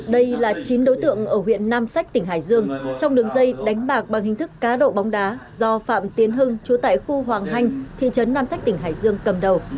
đây là chín đối tượng ở huyện nam sách tỉnh hải dương trong đường dây đánh bạc bằng hình thức cá độ bóng đá do phạm tiến hưng chú tại khu hoàng hanh thị trấn nam sách tỉnh hải dương cầm đầu